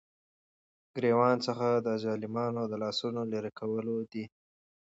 ګريوان څخه دظالمانو دلاسونو ليري كول دي ،